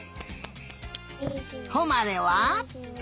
ほまれは？